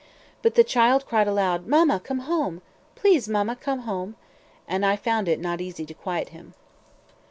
But the child cried aloud, "Mamma, come home! Please, mamma, come home!" and I found it not easy to quiet him.